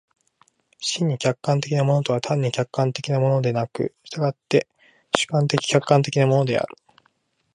真に客観的なものとは単に客観的なものでなく、却って主観的・客観的なものである。